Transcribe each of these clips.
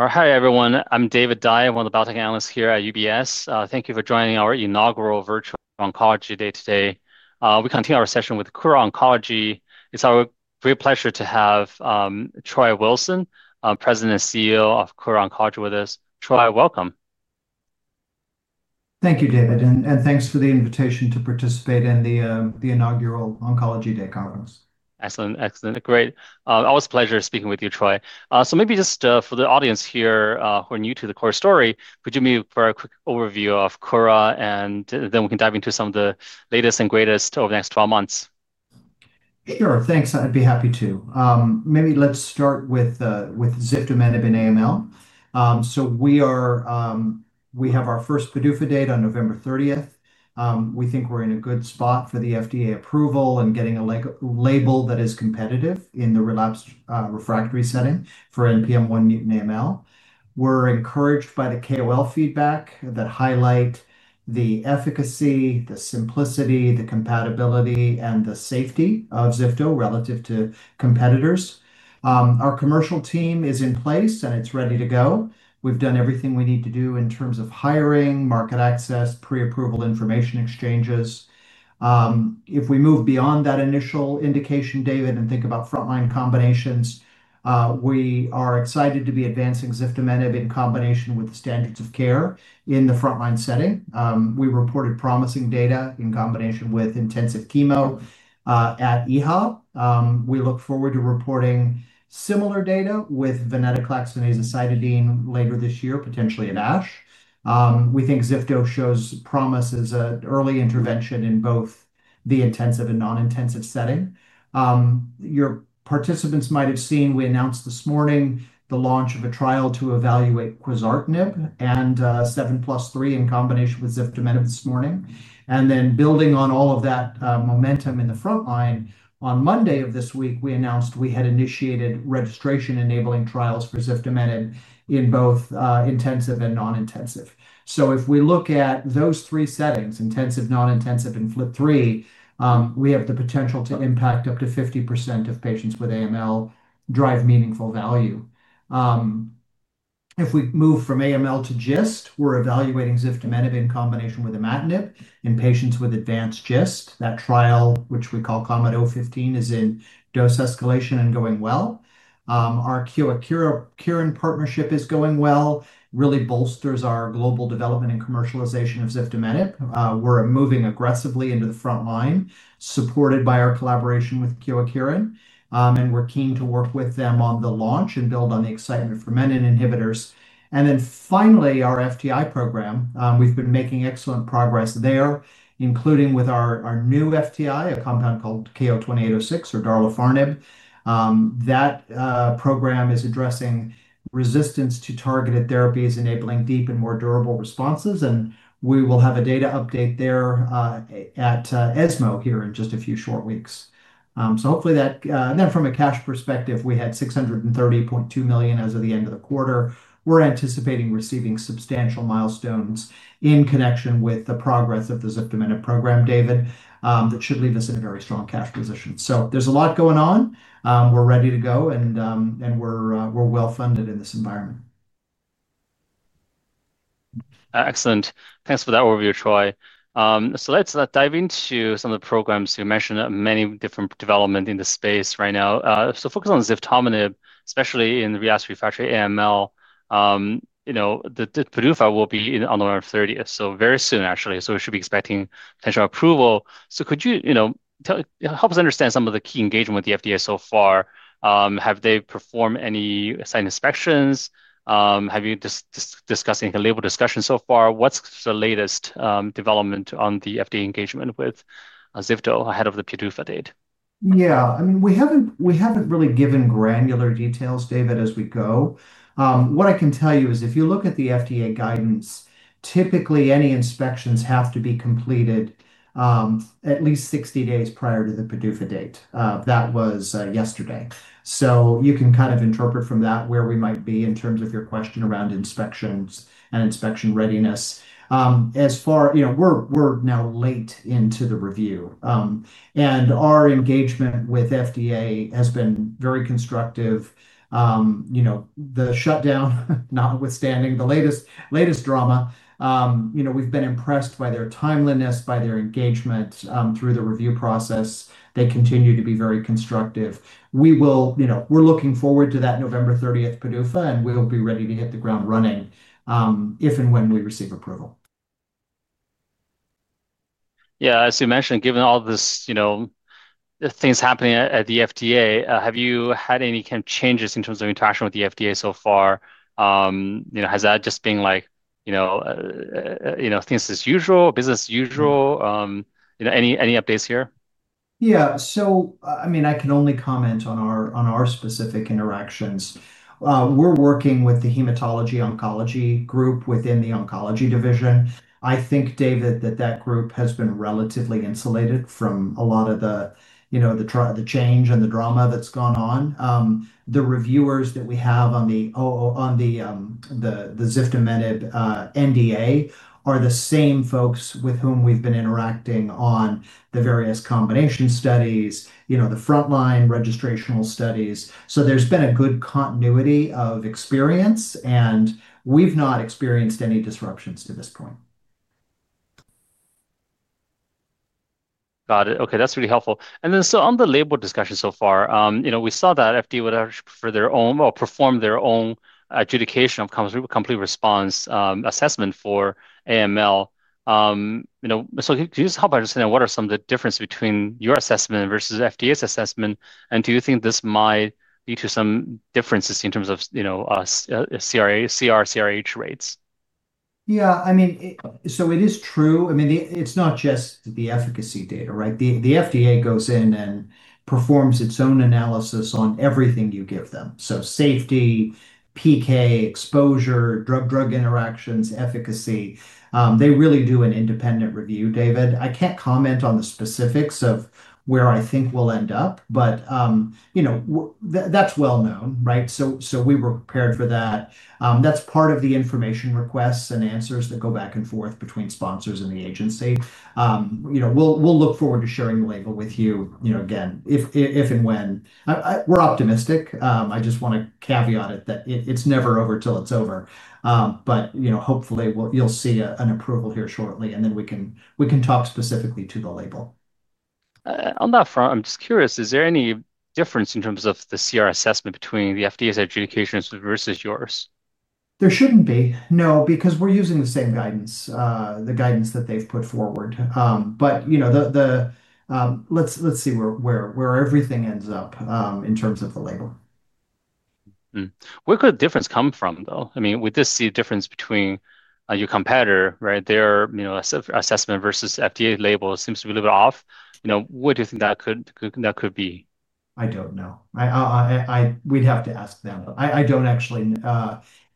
Hi, everyone. I'm David Dai and one of the Biotech Analysts here at UBS. Thank you for joining our inaugural Virtual Oncology Day today. We continue our session with Kura Oncology. It's our great pleasure to have Troy Wilson, President and CEO of Kura Oncology, with us. Troy, welcome. Thank you, David, and thanks for the invitation to participate in the inaugural Oncology Day conference. Excellent, excellent. Great. Always a pleasure speaking with you, Troy. Maybe just for the audience here who are new to the Kura story, could you maybe provide a quick overview of Kura and then we can dive into some of the latest and greatest over the next 12 months? Sure, thanks. I'd be happy to. Maybe let's start with ziftomenib AML. We have our first PDUFA date on November 30th. We think we're in a good spot for the FDA approval and getting a label that is competitive in the relapsed/refractory setting for NPM1-m AML. We're encouraged by the KOL feedback that highlights the efficacy, the simplicity, the combinability, and the safety of zifto relative to competitors. Our commercial team is in place and it's ready to go. We've done everything we need to do in terms of hiring, market access, pre-approval information exchanges. If we move beyond that initial indication, David, and think about frontline combinations, we are excited to be advancing ziftomenib in combination with the standards of care in the frontline setting. We reported promising data in combination with intensive chemo at EHA. We look forward to reporting similar data with venetoclax and azacitidine later this year, potentially at ASH. We think zifto shows promise as an early intervention in both the intensive and non-intensive setting. Your participants might have seen we announced this morning the launch of a trial to evaluate quizartinib and 7+3 in combination with ziftomenib this morning. Building on all of that momentum in the frontline, on Monday of this week, we announced we had initiated registration enabling trials for ziftomenib in both intensive and non-intensive. If we look at those three settings, intensive, non-intensive, and FLT3, we have the potential to impact up to 50% of patients with AML, drive meaningful value. If we move from AML to GIST, we're evaluating ziftomenib in combination with imatinib in patients with advanced GIST. That trial, which we call KOMET-015, is in dose escalation and going well. Our Kyowa Kirin partnership is going well, really bolsters our global development and commercialization of ziftomenib. We're moving aggressively into the frontline, supported by our collaboration with Kyowa Kirin. We're keen to work with them on the launch and build on the excitement for menin inhibitors. Finally, our FTI program, we've been making excellent progress there, including with our new FTI, a compound called KO-2806 or darlifarnib. That program is addressing resistance to targeted therapies, enabling deep and more durable responses. We will have a data update there at ESMO here in just a few short weeks. Hopefully that, and then from a cash perspective, we had $630.2 million as of the end of the quarter. We're anticipating receiving substantial milestones in connection with the progress of the ziftomenib program, David, that should leave us in a very strong cash position. There's a lot going on. We're ready to go and we're well funded in this environment. Excellent. Thanks for that overview, Troy. Let's dive into some of the programs you mentioned, many different developments in the space right now. Focus on ziftomenib, especially in the relapsed/refractory AML. The PDUFA will be on November 30th, so very soon actually. We should be expecting potential approval. Could you help us understand some of the key engagement with the FDA so far? Have they performed any site inspections? Have you discussed any label discussions so far? What's the latest development on the FDA engagement with zifto ahead of the PDUFA date? Yeah, I mean, we haven't really given granular details, David, as we go. What I can tell you is if you look at the FDA guidance, typically any inspections have to be completed at least 60 days prior to the PDUFA date. That was yesterday. You can kind of interpret from that where we might be in terms of your question around inspections and inspection readiness. As far as, you know, we're now late into the review, and our engagement with FDA has been very constructive. The shutdown, notwithstanding the latest drama, we've been impressed by their timeliness, by their engagement through the review process. They continue to be very constructive. We're looking forward to that November 30th PDUFA, and we'll be ready to hit the ground running if and when we receive approval. Yeah, as you mentioned, given all this, you know, things happening at the FDA, have you had any kind of changes in terms of interaction with the FDA so far? Has that just been things as usual, business as usual? Any updates here? Yeah, I can only comment on our specific interactions. We're working with the hematology oncology group within the oncology division. I think, David, that group has been relatively insulated from a lot of the change and the drama that's gone on. The reviewers that we have on the ziftomenib NDA are the same folks with whom we've been interacting on the various combination studies, the frontline registrational studies. There's been a good continuity of experience and we've not experienced any disruptions to this point. Got it. Okay, that's really helpful. On the label discussion so far, we saw that FDA would actually perform their own adjudication of complete response assessment for AML. Could you just help us understand what are some of the differences between your assessment versus FDA's assessment? Do you think this might lead to some differences in terms of, you know, CR/CRh rates? Yeah, I mean, it is true. It's not just the efficacy data, right? The FDA goes in and performs its own analysis on everything you give them: safety, PK, exposure, drug-drug interactions, efficacy. They really do an independent review, David. I can't comment on the specifics of where I think we'll end up, but that's well known, right? We were prepared for that. That's part of the information requests and answers that go back and forth between sponsors and the agency. We'll look forward to sharing the label with you, again, if and when. We're optimistic. I just want to caveat it that it's never over till it's over. Hopefully you'll see an approval here shortly and then we can talk specifically to the label. On that front, I'm just curious, is there any difference in terms of the CR assessment between the FDA's adjudications versus yours? There shouldn't be, no, because we're using the same guidance, the guidance that they've put forward. Let's see where everything ends up in terms of the label. Where could the difference come from though? I mean, we did see a difference between your competitor, right? Their assessment versus FDA label seems to be a little bit off. What do you think that could be? I don't know. We'd have to ask them. I don't actually,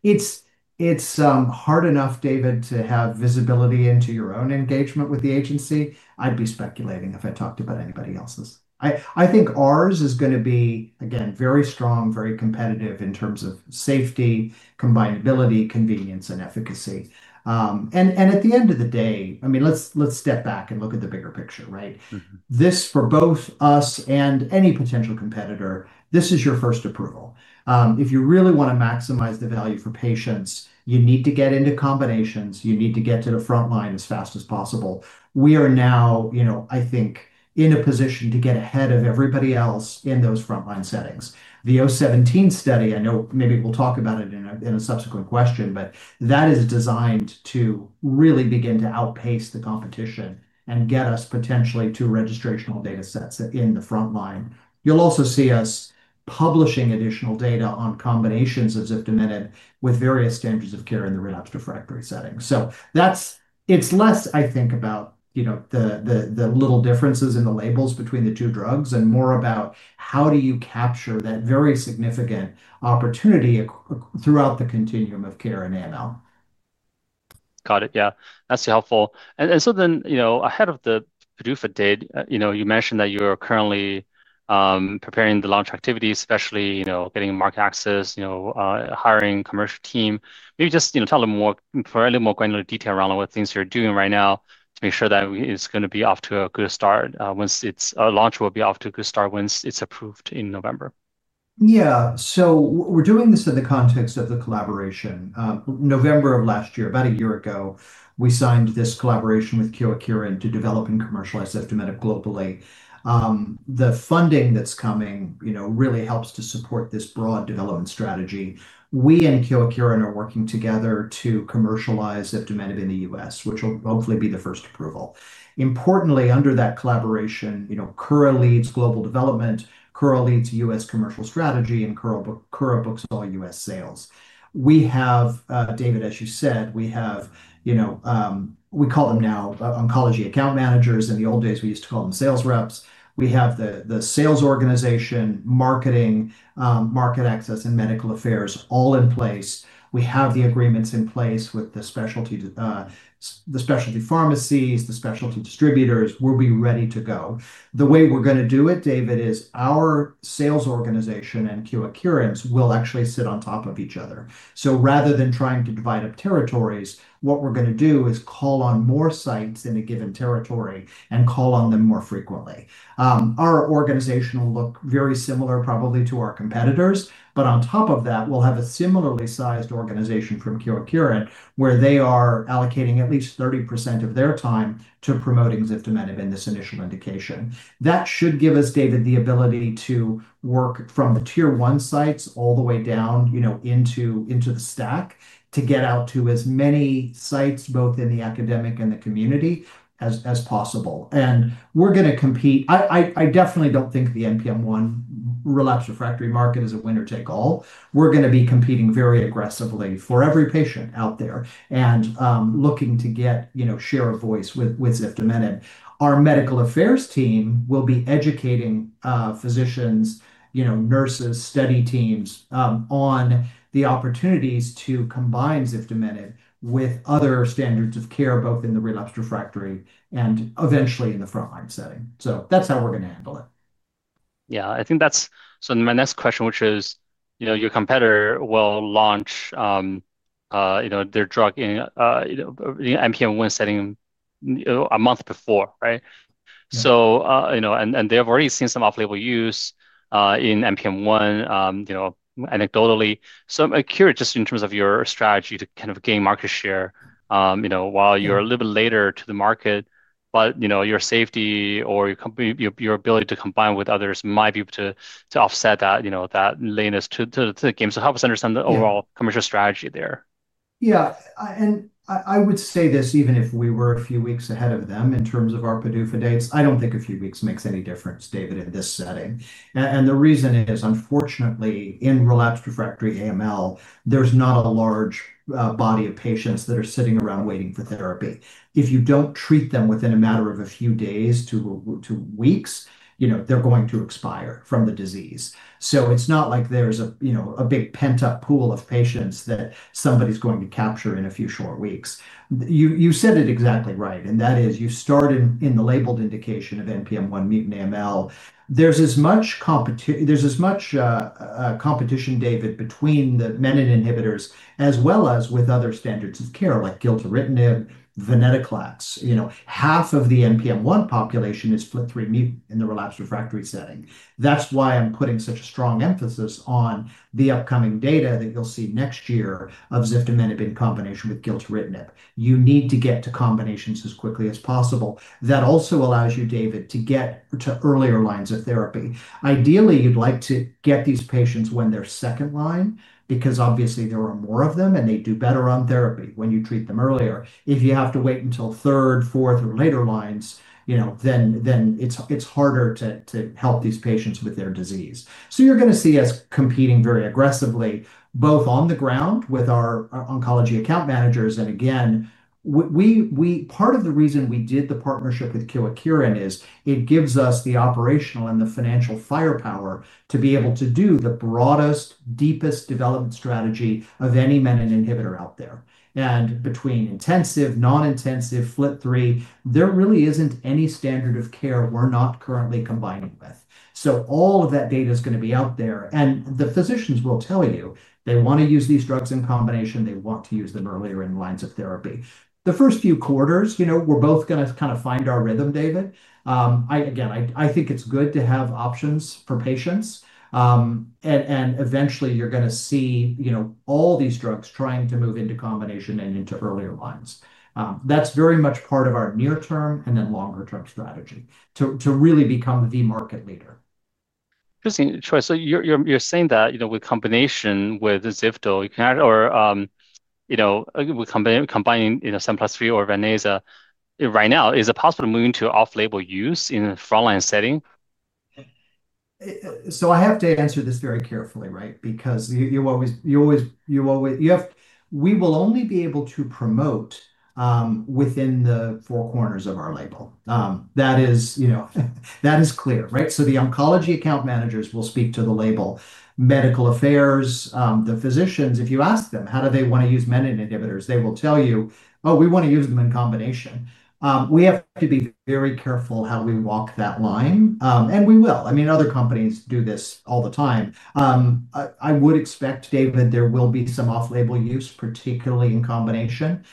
it's hard enough, David, to have visibility into your own engagement with the agency. I'd be speculating if I talked about anybody else's. I think ours is going to be, again, very strong, very competitive in terms of safety, combinability, convenience, and efficacy. At the end of the day, I mean, let's step back and look at the bigger picture, right? This for both us and any potential competitor, this is your first approval. If you really want to maximize the value for patients, you need to get into combinations. You need to get to the frontline as fast as possible. We are now, you know, I think, in a position to get ahead of everybody else in those frontline settings. The 017 study, I know maybe we'll talk about it in a subsequent question, but that is designed to really begin to outpace the competition and get us potentially to registrational data sets in the frontline. You'll also see us publishing additional data on combinations of ziftomenib with various standards of care in the relapsed/refractory setting. It's less, I think, about, you know, the little differences in the labels between the two drugs and more about how do you capture that very significant opportunity throughout the continuum of care in AML. Got it. Yeah, that's helpful. You mentioned that you are currently preparing the launch activities, especially getting market access, hiring a commercial team. Maybe just tell a little more, for a little more granular detail around what things you're doing right now to make sure that it's going to be off to a good start once it's launched, will be off to a good start once it's approved in November. Yeah, so we're doing this in the context of the collaboration. November of last year, about a year ago, we signed this collaboration with Kyowa Kirin to develop and commercialize ziftomenib globally. The funding that's coming, you know, really helps to support this broad development strategy. We and Kyowa Kirin are working together to commercialize ziftomenib in the U.S., which will hopefully be the first approval. Importantly, under that collaboration, you know, Kura leads global development, Kura leads U.S. commercial strategy, and Kura books all U.S. sales. We have, David, as you said, we have, you know, we call them now oncology account managers. In the old days, we used to call them sales reps. We have the sales organization, marketing, market access, and medical affairs all in place. We have the agreements in place with the specialty pharmacies, the specialty distributors. We'll be ready to go. The way we're going to do it, David, is our sales organization and Kyowa Kirin will actually sit on top of each other. Rather than trying to divide up territories, what we're going to do is call on more sites in a given territory and call on them more frequently. Our organization will look very similar probably to our competitors, but on top of that, we'll have a similarly sized organization from Kyowa Kirin where they are allocating at least 30% of their time to promoting ziftomenib in this initial indication. That should give us, David, the ability to work from the tier one sites all the way down, you know, into the stack to get out to as many sites, both in the academic and the community, as possible. We're going to compete. I definitely don't think the NPM1 relapsed/refractory market is a winner take all. We're going to be competing very aggressively for every patient out there and looking to get, you know, share of voice with ziftomenib. Our medical affairs team will be educating physicians, you know, nurses, study teams on the opportunities to combine ziftomenib with other standard-of-care agents, both in the relapsed/refractory and eventually in the frontline setting. That's how we're going to handle it. Yeah, I think that's my next question, which is, you know, your competitor will launch, you know, their drug in the NPM1 setting a month before, right? You know, and they have already seen some off-label use in NPM1, you know, anecdotally. I'm curious just in terms of your strategy to kind of gain market share, you know, while you're a little bit later to the market, but you know, your safety or your ability to combine with others might be able to offset that, you know, that lateness to the game. Help us understand the overall commercial strategy there. Yeah, and I would say this even if we were a few weeks ahead of them in terms of our PDUFA dates. I don't think a few weeks makes any difference, David, in this setting. The reason is, unfortunately, in relapsed/refractory AML, there's not a large body of patients that are sitting around waiting for therapy. If you don't treat them within a matter of a few days to weeks, they're going to expire from the disease. It's not like there's a big pent-up pool of patients that somebody's going to capture in a few short weeks. You said it exactly right, and that is you start in the labeled indication of NPM1-mutant AML. There's as much competition, David, between the menin inhibitors as well as with other standards of care like gilteritinib, venetoclax. Half of the NPM1 population is FLT3 mutant in the relapsed/refractory setting. That's why I'm putting such a strong emphasis on the upcoming data that you'll see next year of ziftomenib in combination with gilteritinib. You need to get to combinations as quickly as possible. That also allows you, David, to get to earlier lines of therapy. Ideally, you'd like to get these patients when they're second line because obviously there are more of them and they do better on therapy when you treat them earlier. If you have to wait until third, fourth, or later lines, then it's harder to help these patients with their disease. You're going to see us competing very aggressively, both on the ground with our oncology account managers. Part of the reason we did the partnership with Kyowa Kirin is it gives us the operational and the financial firepower to be able to do the broadest, deepest development strategy of any menin inhibitor out there. Between intensive, non-intensive, FLT3, there really isn't any standard of care we're not currently combining with. All of that data is going to be out there. The physicians will tell you they want to use these drugs in combination. They want to use them earlier in lines of therapy. The first few quarters, we're both going to kind of find our rhythm, David. I think it's good to have options for patients. Eventually, you're going to see all these drugs trying to move into combination and into earlier lines. That's very much part of our near-term and then longer-term strategy to really become the market leader. Interesting, Troy. You're saying that, you know, with combination with zifto or, you know, combining 7+3 or ven/aza right now, is it possible to move into off-label use in the frontline setting? I have to answer this very carefully, right? You always, you always, you have, we will only be able to promote within the four corners of our label. That is, you know, that is clear, right? The oncology account managers will speak to the label, medical affairs, the physicians. If you ask them how do they want to use menin inhibitors, they will tell you, oh, we want to use them in combination. We have to be very careful how we walk that line. We will. Other companies do this all the time. I would expect, David, there will be some off-label use, particularly in combination.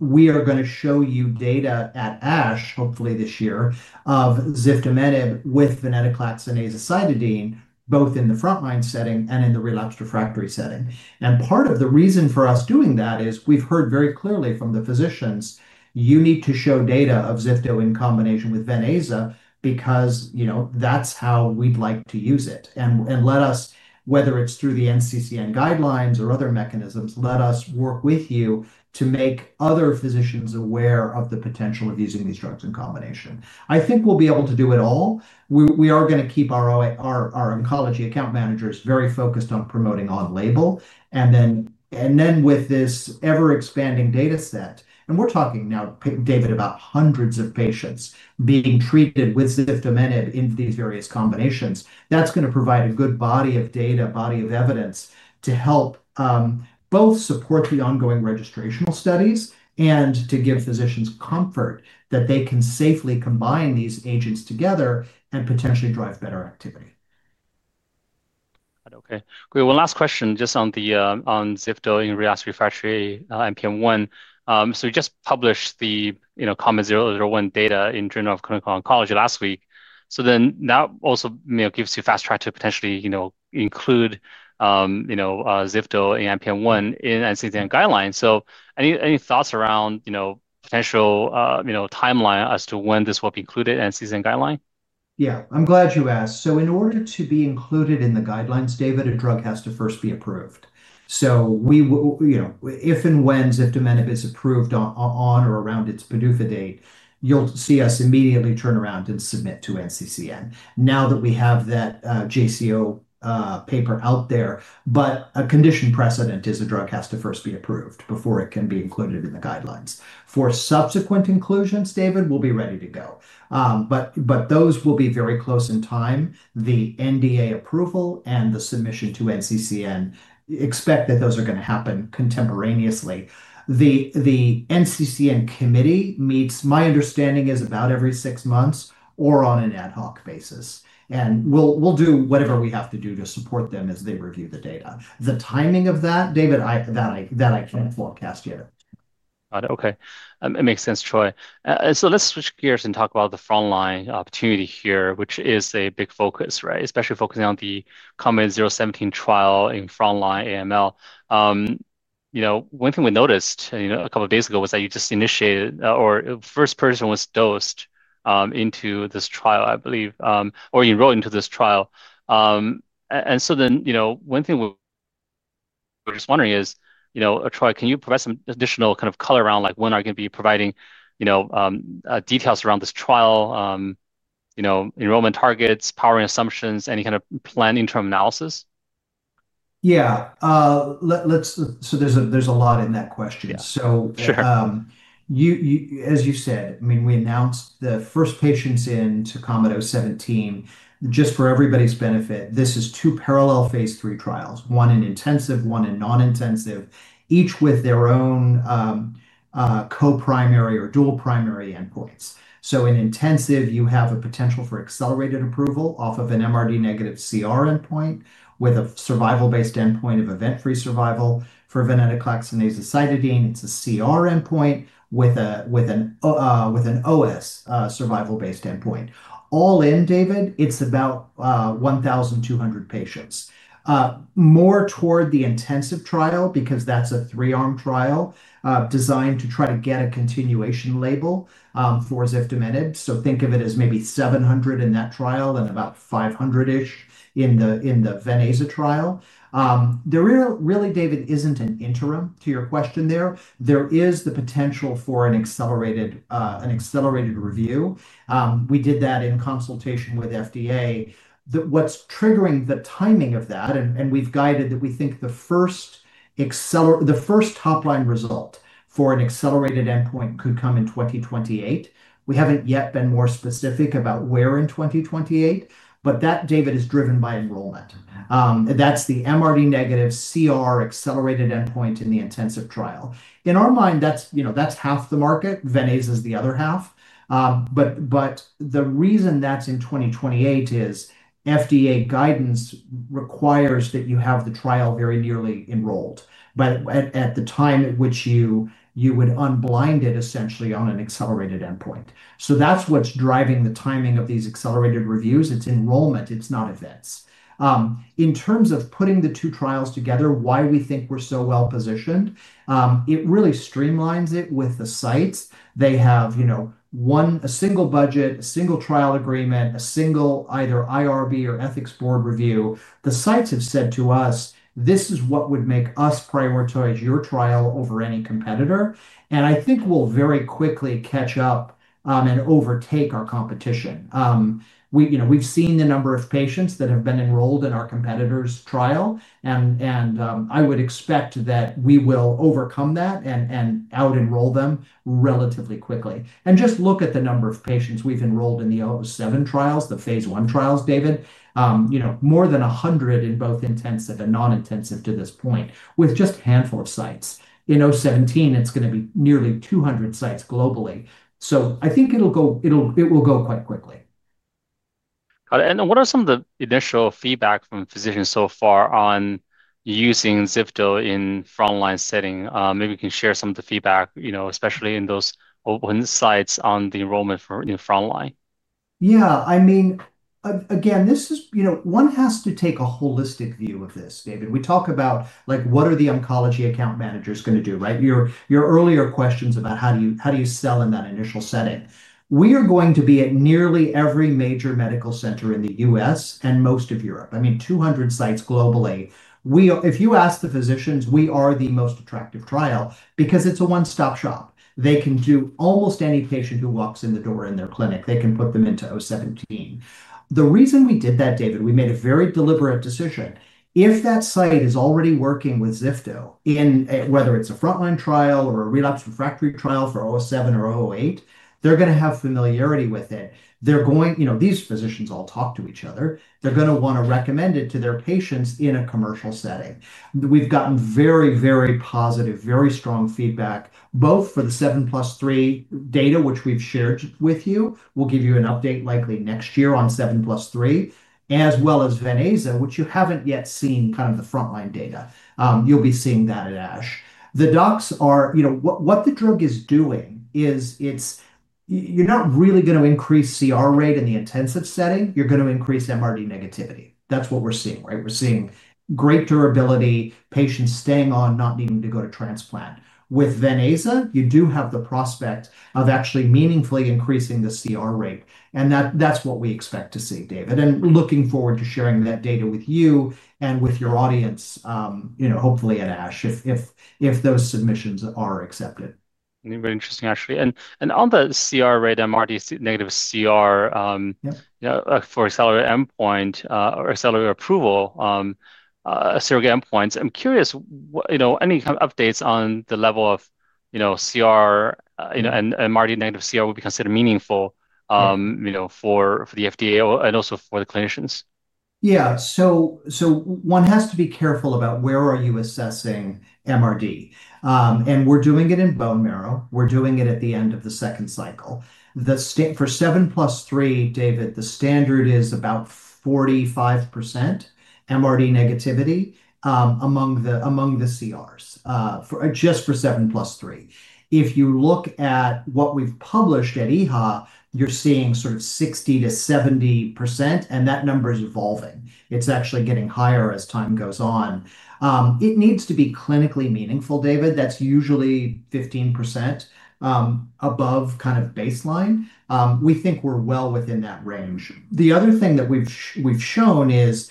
We are going to show you data at ASH, hopefully this year, of ziftomenib with venetoclax and azacitidine, both in the frontline setting and in the relapsed/refractory setting. Part of the reason for us doing that is we've heard very clearly from the physicians, you need to show data of zifto in combination with ven/aza because, you know, that's how we'd like to use it. Let us, whether it's through the NCCN guidelines or other mechanisms, work with you to make other physicians aware of the potential of using these drugs in combination. I think we'll be able to do it all. We are going to keep our oncology account managers very focused on promoting on-label. With this ever-expanding data set, and we're talking now, David, about hundreds of patients being treated with ziftomenib in these various combinations, that's going to provide a good body of data, body of evidence to help both support the ongoing registrational studies and to give physicians comfort that they can safely combine these agents together and potentially drive better activity. Okay, great. One last question just on zifto in relapsed/refractory NPM1. We just published the KOMET-001 data in Journal of Clinical Oncology last week. That also gives you fast track to potentially, you know, include zifto NPM1 in NCCN guidelines. Any thoughts around, you know, potential, you know, timeline as to when this will be included in NCCN guideline? Yeah, I'm glad you asked. In order to be included in the guidelines, David, a drug has to first be approved. If and when ziftomenib is approved on or around its PDUFA date, you'll see us immediately turn around and submit to NCCN. Now that we have that JCO paper out there, a condition precedent is a drug has to first be approved before it can be included in the guidelines. For subsequent inclusions, David, we'll be ready to go. Those will be very close in time. The NDA approval and the submission to NCCN, expect that those are going to happen contemporaneously. The NCCN committee meets, my understanding is about every six months or on an ad hoc basis. We'll do whatever we have to do to support them as they review the data. The timing of that, David, I can't forecast yet. Got it. Okay. It makes sense, Troy. Let's switch gears and talk about the frontline opportunity here, which is a big focus, right? Especially focusing on the KOMET-017 trial in frontline AML. One thing we noticed a couple of days ago was that you just initiated or first person was dosed into this trial, I believe, or enrolled into this trial. One thing we're just wondering is, Troy, can you provide some additional kind of color around when are you going to be providing details around this trial, enrollment targets, power and assumptions, any kind of plan, interim analysis? Yeah, there's a lot in that question. As you said, I mean, we announced the first patients into KOMET-017. Just for everybody's benefit, this is two parallel phase III trials, one in intensive, one in non-intensive, each with their own co-primary or dual primary endpoints. In intensive, you have a potential for accelerated approval off of an MRD-negative CR endpoint with a survival-based endpoint of event-free survival. For venetoclax and azacitidine, it's a CR endpoint with an OS survival-based endpoint. All in, David, it's about 1,200 patients, more toward the intensive trial because that's a three-arm trial designed to try to get a continuation label for ziftomenib. Think of it as maybe 700 in that trial and about 500-ish in the ven/aza trial. There really, David, isn't an interim to your question there. There is the potential for an accelerated review. We did that in consultation with FDA. What's triggering the timing of that, and we've guided that we think the first top-line result for an accelerated endpoint could come in 2028. We haven't yet been more specific about where in 2028, but that, David, is driven by enrollment. That's the MRD-negative CR accelerated endpoint in the intensive trial. In our mind, that's half the market. Ven/aza is the other half. The reason that's in 2028 is FDA guidance requires that you have the trial very nearly enrolled at the time at which you would unblind it essentially on an accelerated endpoint. That's what's driving the timing of these accelerated reviews. It's enrollment, it's not events. In terms of putting the two trials together, why we think we're so well positioned, it really streamlines it with the sites. They have a single budget, a single trial agreement, a single either IRB or ethics board review. The sites have said to us, this is what would make us prioritize your trial over any competitor. I think we'll very quickly catch up and overtake our competition. We've seen the number of patients that have been enrolled in our competitor's trial, and I would expect that we will overcome that and out-enroll them relatively quickly. Just look at the number of patients we've enrolled in the 07 trials, the phase I trials, David. More than 100 in both intensive and non-intensive to this point, with just a handful of sites. In 017, it's going to be nearly 200 sites globally. I think it will go quite quickly. What are some of the initial feedback from physicians so far on using zifto in the frontline setting? Maybe we can share some of the feedback, especially in those open sites on the enrollment for in frontline. Yeah, I mean, again, this is, you know, one has to take a holistic view of this, David. We talk about like what are the oncology account managers going to do, right? Your earlier questions about how do you, how do you sell in that initial setting? We are going to be at nearly every major medical center in the U.S. and most of Europe. I mean, 200 sites globally. If you ask the physicians, we are the most attractive trial because it's a one-stop shop. They can do almost any patient who walks in the door in their clinic. They can put them into 017. The reason we did that, David, we made a very deliberate decision. If that site is already working with zifto, whether it's a frontline trial or a relapsed/refractory trial for 07 or 08, they're going to have familiarity with it. They're going, you know, these physicians all talk to each other. They're going to want to recommend it to their patients in a commercial setting. We've gotten very, very positive, very strong feedback, both for the 7+3 data, which we've shared with you. We'll give you an update likely next year on 7+3, as well as ven/aza, which you haven't yet seen, kind of the frontline data. You'll be seeing that at ASH. The docs are, you know, what the drug is doing is it's, you're not really going to increase CR rate in the intensive setting. You're going to increase MRD negativity. That's what we're seeing, right? We're seeing great durability, patients staying on, not needing to go to transplant. With ven/aza, you do have the prospect of actually meaningfully increasing the CR rate. That's what we expect to see, David. Looking forward to sharing that data with you and with your audience, you know, hopefully at ASH if those submissions are accepted. Very interesting, actually. On the CR rate, MRD-negative CR, for accelerated endpoint or accelerated approval, accelerated endpoints, I'm curious, any kind of updates on the level of CR, and MRD-negative CR would be considered meaningful for the FDA and also for the clinicians? Yeah, so one has to be careful about where you are assessing MRD. We're doing it in bone marrow. We're doing it at the end of the second cycle. For 7+3, David, the standard is about 45% MRD negativity among the CRs just for 7+3. If you look at what we've published at EHA, you're seeing sort of 60%-70%, and that number is evolving. It's actually getting higher as time goes on. It needs to be clinically meaningful, David. That's usually 15% above kind of baseline. We think we're well within that range. The other thing that we've shown is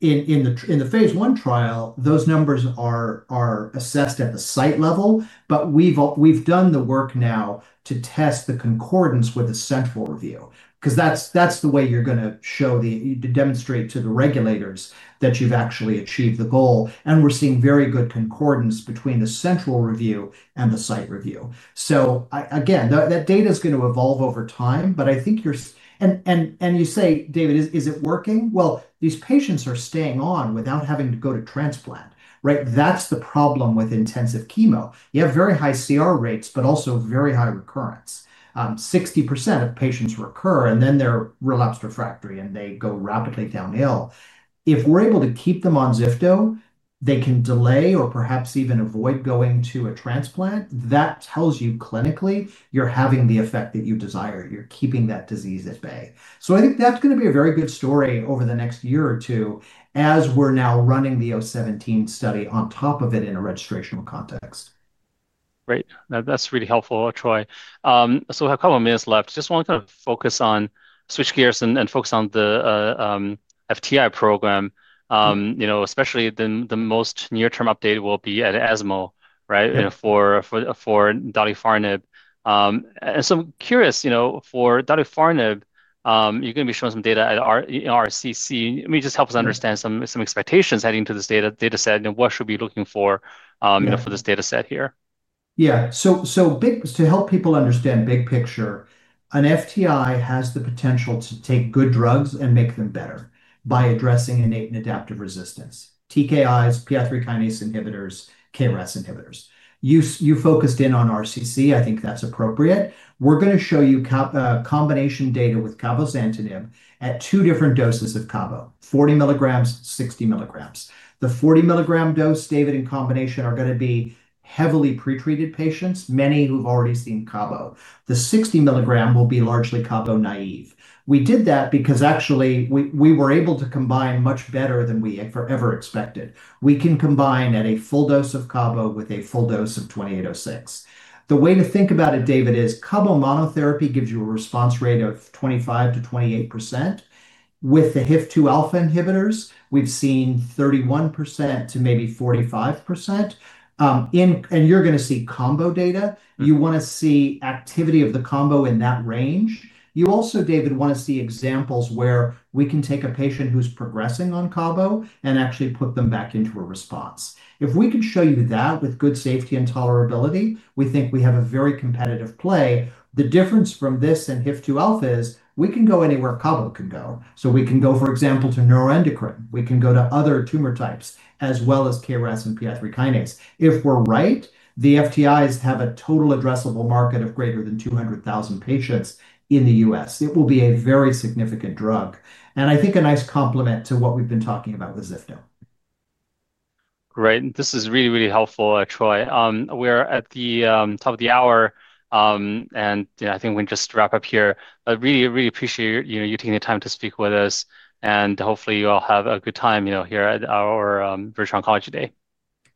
in the phase I trial, those numbers are assessed at the site level, but we've done the work now to test the concordance with a central review. That's the way you're going to show, to demonstrate to the regulators that you've actually achieved the goal. We're seeing very good concordance between the central review and the site review. That data is going to evolve over time, but I think you're, you say, David, is it working? These patients are staying on without having to go to transplant, right? That's the problem with intensive chemo. You have very high CR rates, but also very high recurrence. 60% of patients recur, and then they're relapsed/refractory, and they go rapidly downhill. If we're able to keep them on zifto, they can delay or perhaps even avoid going to a transplant. That tells you clinically you're having the effect that you desire. You're keeping that disease at bay. I think that's going to be a very good story over the next year or two as we're now running the 017 study on top of it in a registrational context. Right. That's really helpful, Troy. We have a couple of minutes left. I just want to kind of focus on, switch gears and focus on the FTI program, especially the most near-term update will be at ESMO, right, for darlifarnib. I'm curious, for darlifarnib, you're going to be showing some data at RCC. Help us understand some expectations heading into this data set. What should we be looking for, for this data set here? Yeah, so big, to help people understand big picture, an FTI has the potential to take good drugs and make them better by addressing innate and adaptive resistance. TKIs, PI3 kinase inhibitors, KRAS inhibitors. You focused in on RCC. I think that's appropriate. We're going to show you combination data with cabozantinib at two different doses of cabo, 40 mg, 60 mg. The 40 mg dose, David, in combination are going to be heavily pretreated patients, many who've already seen cabo. The 60 mg will be largely cabo-naive. We did that because actually we were able to combine much better than we ever expected. We can combine at a full dose of cabo with a full dose of 2806. The way to think about it, David, is cabo monotherapy gives you a response rate of 25%-28%. With the HIF2-α inhibitors, we've seen 31% to maybe 45%. You're going to see combo data. You want to see activity of the combo in that range. You also, David, want to see examples where we can take a patient who's progressing on cabo and actually put them back into a response. If we can show you that with good safety and tolerability, we think we have a very competitive play. The difference from this and HIF-2α is we can go anywhere cabo can go. We can go, for example, to neuroendocrine. We can go to other tumor types as well as KRAS and PI3 kinase. If we're right, the FTIs have a total addressable market of greater than 200,000 patients in the U.S. It will be a very significant drug. I think a nice complement to what we've been talking about with zifto. Great. This is really, really helpful, Troy. We are at the top of the hour. I think we can just wrap up here. I really, really appreciate you taking the time to speak with us. Hopefully you all have a good time here at our Virtual Oncology Day.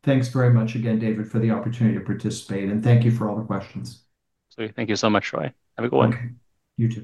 Thanks very much again, David, for the opportunity to participate. Thank you for all the questions. Thank you so much, Troy. Have a good one. You too.